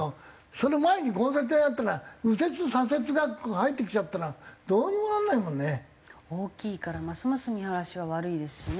その前に交差点あったら右折左折が入ってきちゃったらどうにもなんないもんね。大きいからますます見晴らしは悪いですしね。